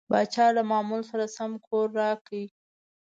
پاچا له معمول سره سم کور راکړ.